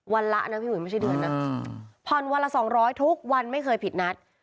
ละนะพี่อุ๋ยไม่ใช่เดือนนะผ่อนวันละ๒๐๐ทุกวันไม่เคยผิดนัด